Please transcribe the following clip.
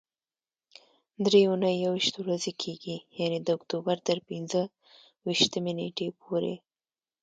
درې اونۍ یويشت ورځې کېږي، یعنې د اکتوبر تر پنځه ویشتمې نېټې پورې.